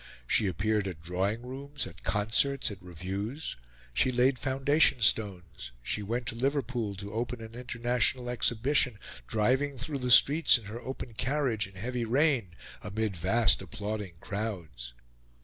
She appeared at drawing rooms, at concerts, at reviews; she laid foundation stones; she went to Liverpool to open an international exhibition, driving through the streets in her open carriage in heavy rain amid vast applauding crowds.